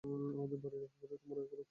আমাদের বাড়ির অপবাদে তোমার অগৌরব।